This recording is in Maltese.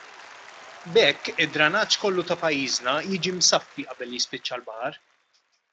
B'hekk id-dranaġġ kollu ta' pajjiżna jiġi msaffi qabel jispiċċa l-baħar.